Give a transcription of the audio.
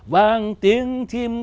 vang tiếng chim ca